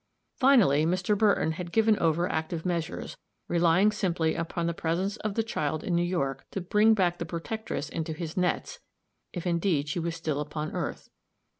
Finally, Mr. Burton had given over active measures, relying simply upon the presence of the child in New York, to bring back the protectress into his nets, if indeed she was still upon earth.